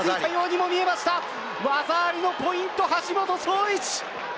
技ありのポイントは、橋本壮市。